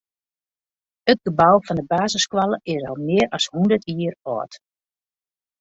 It gebou fan de basisskoalle is al mear as hûndert jier âld.